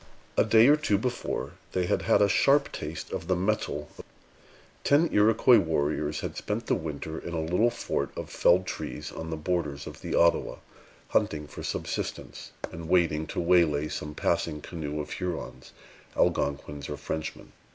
A day or two before, they had had a sharp taste of the mettle of the enemy. Ten Iroquois warriors had spent the winter in a little fort of felled trees on the borders of the Ottawa, hunting for subsistence, and waiting to waylay some passing canoe of Hurons, Algonquins, or Frenchmen.